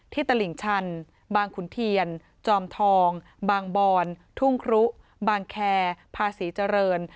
ตลิ่งชันบางขุนเทียนจอมทองบางบอนทุ่งครุบางแคร์ภาษีเจริญ